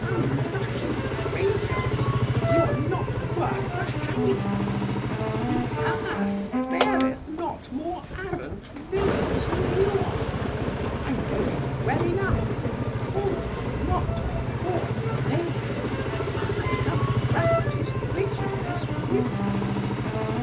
Unlucky traitors, you are not worth the hanging. The earth beareth not more arrant villains than you are. I know it well enough; halt not before the lame. I have practised wickedness with you.